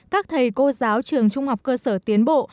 các thầy cô giáo trường trung học cơ sở tiến bộ